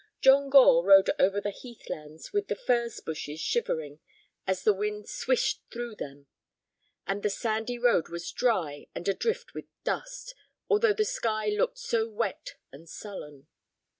John Gore rode over the heathlands, with the furze bushes shivering as the wind swished through them; and the sandy road was dry and adrift with dust, although the sky looked so wet and sullen.